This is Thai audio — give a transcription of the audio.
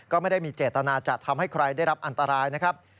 ก็ไม่ได้มีเจตนาจะทำให้ใครได้รับอันตรายนะครับ